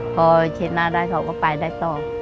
พอเช็ดหน้าได้เขาก็ไปได้ต่อ